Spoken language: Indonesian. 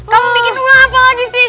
kamu bikin rumah apa lagi sih